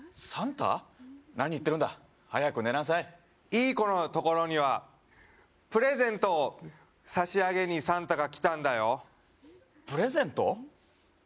何言ってるんだ早く寝なさいいい子の所にはプレゼントを差し上げにサンタが来たんだよプレゼント？